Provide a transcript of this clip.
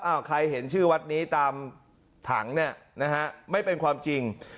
ใครเห็นชื่อวัดนี้ตามถังเนี่ยนะฮะไม่เป็นความจริง